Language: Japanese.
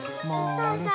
そうそう。